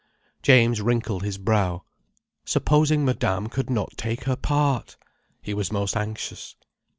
James wrinkled his brow. Supposing Madame could not take her part! He was most anxious.